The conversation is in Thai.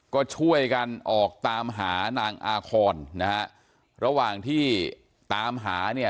ก็ช่วยกันออกตามหานางอาคอนนะฮะระหว่างที่ตามหาเนี่ย